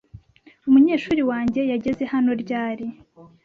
Umunyeshuri wanjye yageze hano ryari?